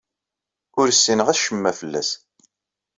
Ur ssineɣ acemma fell-as.